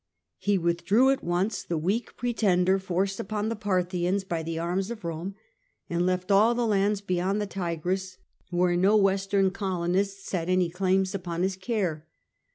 He withdrew at once the weak pre tender forced upon the Parthians by the arms of Rome, and left all the lands beyond the Tigris where no western colonists had any claims upon his care.